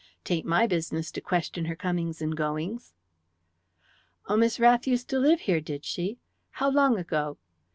Tain't my business to question her comings and goings." "Oh, Miss Rath used to live here, did she? How long ago?"